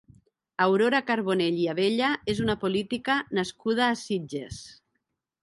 Aurora Carbonell i Abella és una política nascuda a Sitges.